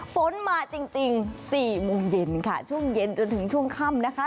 ฝนมาจริง๔โมงเย็นค่ะช่วงเย็นจนถึงช่วงค่ำนะคะ